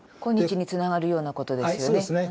今日につながるようなことですよね。